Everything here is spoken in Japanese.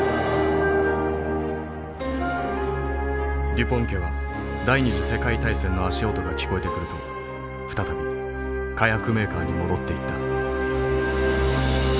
デュポン家は第２次世界大戦の足音が聞こえてくると再び火薬メーカーに戻っていった。